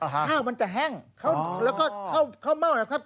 อ๋อฮะข้าวมันจะแห้งอ๋อแล้วก็ข้าวเข้าเม่านะครับ